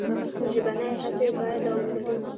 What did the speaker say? ژبنۍ هڅې باید دوام ولري.